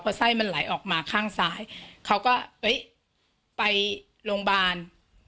เพราะไส้มันไหลออกมาข้างซ้ายเขาก็ไปโรงพยาบาล